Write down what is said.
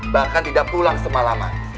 bahkan tidak pulang semalaman